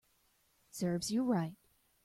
Serves you right